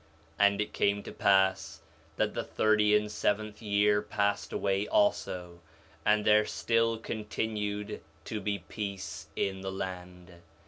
4 Nephi 1:4 And it came to pass that the thirty and seventh year passed away also, and there still continued to be peace in the land.